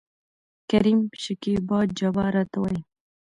کريم : شکيبا جبار راته وايي.